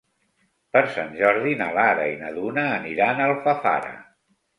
Per Sant Jordi na Lara i na Duna aniran a Alfafara.